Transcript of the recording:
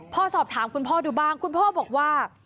พอสอบถามคุณพ่อดูบ้างคุณพ่อบอกว่า